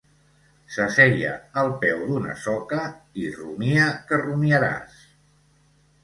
S'asseia al peu d'una soca, i rumia que rumiaràs.